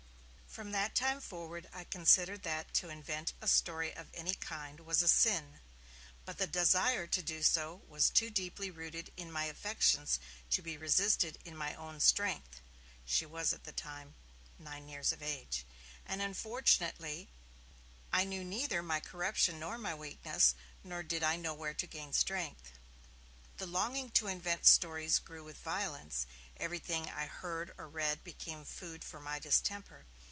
From that time forth I considered that to invent a story of any kind was a sin. But the desire to do so was too deeply rooted in my affections to be resisted in my own strength [she was at that time nine years of age], and unfortunately I knew neither my corruption nor my weakness, nor did I know where to gain strength. The longing to invent stories grew with violence; everything I heard or read became food for my distemper.